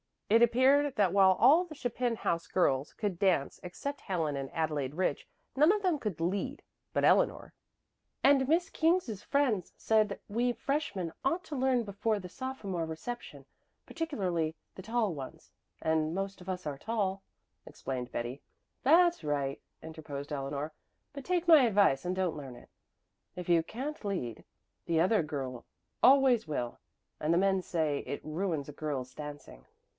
It appeared that while all the Chapin house girls could dance except Helen and Adelaide Rich, none of them could "lead" but Eleanor. "And Miss King's friends said we freshmen ought to learn before the sophomore reception, particularly the tall ones; and most of us are tall," explained Betty. "That's all right," interposed Eleanor, "but take my advice and don't learn. If you can't lead, the other girl always will; and the men say it ruins a girl's dancing."